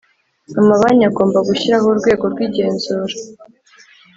Amabanki agomba gushyiraho urwego rw igenzura